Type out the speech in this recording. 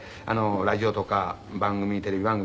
ラジオとか番組テレビ番組